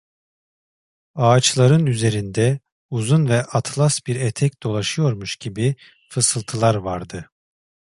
Ağaçların üzerinde, uzun ve atlas bir etek dolaşıyormuş gibi fısıltılar vardı.